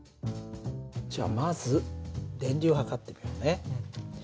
じゃあまず電流を測ってみようね。